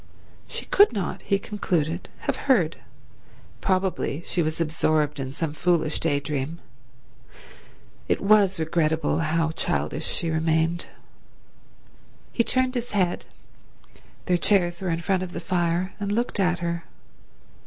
She could not, he concluded, have heard. Probably she was absorbed in some foolish day dream. It was regrettable how childish she remained. He turned his head—their chairs were in front of the fire—and looked at her.